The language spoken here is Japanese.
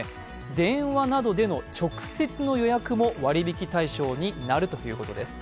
電話などでの直接の予約も割引対象になるということです。